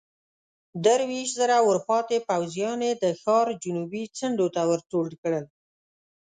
درويشت زره ورپاتې پوځيان يې د ښار جنوبي څنډو ته ورټول کړل.